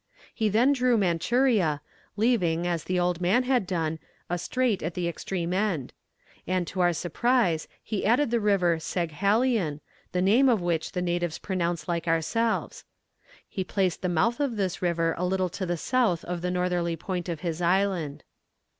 He then drew Manchuria, leaving, as the old man had done, a strait at the extreme end; and to our surprise he added the river Saghalien, the name of which the natives pronounce like ourselves. He placed the mouth of this river a little to the south of the northerly point of his island.